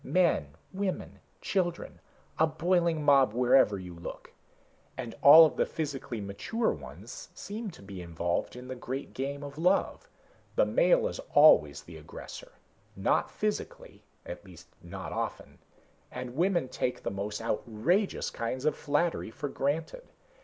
Men, women, children, a boiling mob wherever you look. And all of the physically mature ones seem to be involved in the Great Game of Love. The male is always the aggressor. Not physically at least not often and women take the most outrageous kinds of flattery for granted.